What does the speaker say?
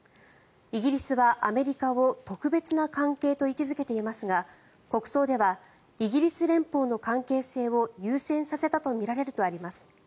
イギリスはアメリカを特別な関係と位置付けていますが国葬ではイギリス連邦の関係性を優先させたとみられるとあります。